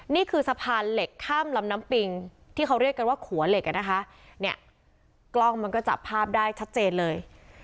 นี่คือสะพานเหล็กข้ามลำน้ำปิงที่เขาเรียกกันว่าขัวเหล็กอ่ะนะคะเนี่ยกล้องมันก็จับภาพได้ชัดเจนเลย